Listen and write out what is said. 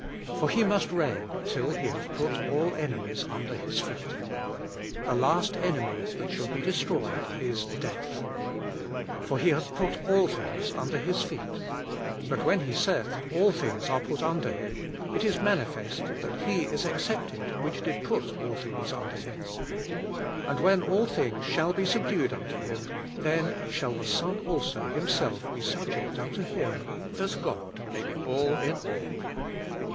For He must reign till He hath put all enemies under His feet. The last enemy that shall be destroyed is death. For He hath put all things under His feet. But when He saith, All things are put under Him, it is manifest that He is e.xcepted, which did put all things under Him. And when all things shall be subdued unto him, then shall th^ Sojv also Himself be subject unto Him, that God may be all in all.